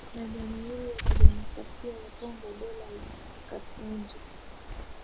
na Jamhuri ya Kidemokrasia ya Kongo Dola la Kasanje